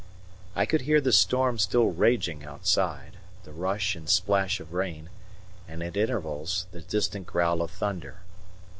I could hear the storm still raging outside; the rush and splash of rain, and, at intervals, the distant growl of thunder.